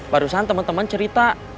barusan teman teman cerita